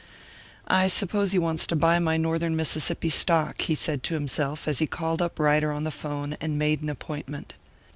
"I suppose he wants to buy my Northern Mississippi stock," he said to himself, as he called up Ryder on the 'phone, and made an appointment.